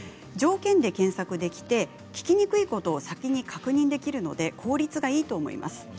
条件で検索できて聞きにくいことを先に確認できるので効率がいいと思います。